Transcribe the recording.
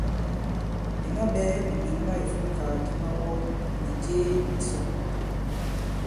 Ìna ɓɛɛ̄ ì mɛ̀nla ìfumkàgàdi mawɔ nì jee ì màsɔ̌ŋ.